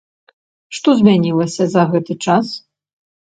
Што змянілася за гэты час?